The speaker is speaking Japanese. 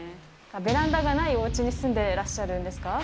ベランダがないおうちに住んでいらっしゃるんですか？